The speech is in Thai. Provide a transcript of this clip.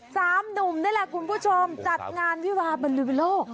สามหนุ่มนี่แหละคุณผู้ชมจัดงานวิวาบรรลือวิโลก